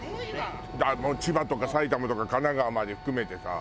もう千葉とか埼玉とか神奈川まで含めてさ